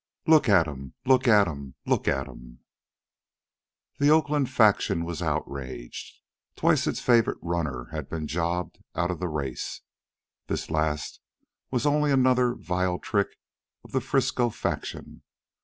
"Look at 'em! Look at 'em! Look at 'em!" The Oakland faction was outraged. Twice had its favorite runner been jobbed out of the race. This last was only another vile trick of the Frisco faction.